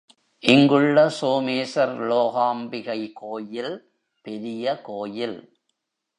இங்குள்ள சோமேசர்லோகாம்பிகை கோயில் பெரிய கோயில்.